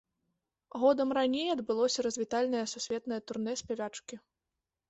Годам раней адбылося развітальнае сусветнае турнэ спявачкі.